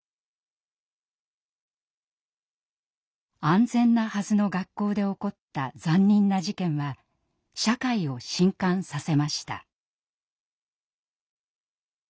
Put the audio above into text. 安全なはずの学校で起こった残忍な事件は社会を震かんさせました。